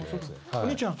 お兄ちゃん